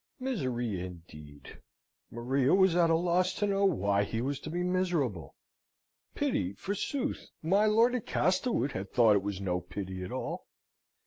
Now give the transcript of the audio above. Misery, indeed! Maria was at a loss to know why he was to be miserable. Pity, forsooth! My lord at Castlewood had thought it was no pity at all.